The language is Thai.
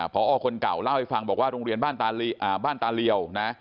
พอคนเก่าเล่าให้ฟังบอกว่าโรงเรียนบ้านตาเลียวนะ